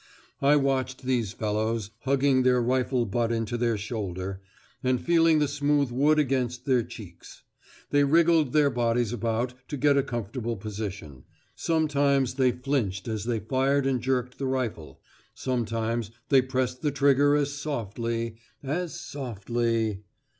I watched these fellows, hugging their rifle butt into their shoulder, and feeling the smooth wood against their cheeks; they wriggled their bodies about to get a comfortable position; sometimes they flinched as they fired and jerked the rifle; sometimes they pressed the trigger as softly, as softly....